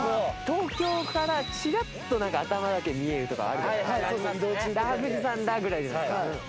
東京からチラッとなんか頭だけ見えるとかあるじゃないですか。